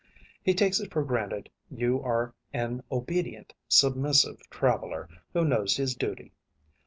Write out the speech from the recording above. He takes it for granted you are an obedient, submissive traveler who knows his duty.